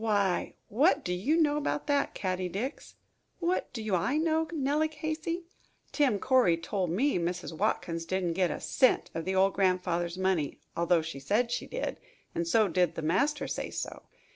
"Why, what do you know about that, Caddie Dix?" "What do I know, Nellie Casey? Tim Corey told me Mrs. Watkins didn't git a cent of the old grandfather's money, although she said she did, and so did the master say so.